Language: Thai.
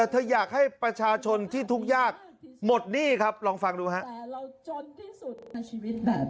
เธออยากให้ประชาชนที่ทุกข์ยากหมดหนี้ครับลองฟังดูครับ